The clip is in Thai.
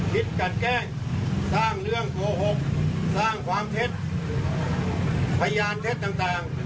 คิดกันแกล้งสร้างเรื่องโกหกสร้างความเท็จพยานเท็จต่าง